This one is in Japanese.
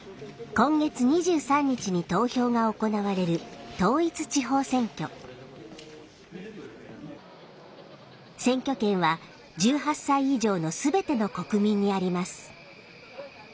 今月２３日に投票が行われる選挙権は１８歳以上の全ての国民にあります。